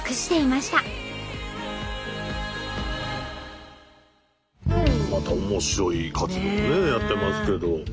また面白い活動をねやってますけど。